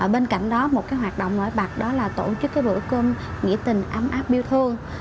bên cạnh đó một hoạt động nổi bật đó là tổ chức bữa cơm nghĩa tình ấm áp yêu thương